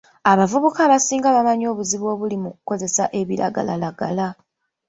Abavubuka abasinga bamanyi obuzibu obuli mu kukozesa ebiragalalagala.